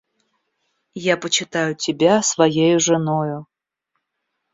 – Я почитаю тебя своею женою.